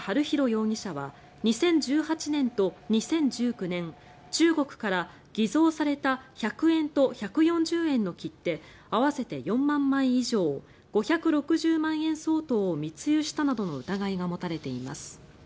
容疑者は２０１８年と２０１９年中国から偽造された１００円と１４０円の切手合わせて４万枚以上５６０万円相当を密輸したなどの疑いが持たれています。